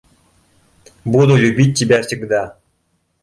Буду любить тебя всегда